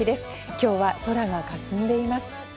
今日は空がかすんでいます。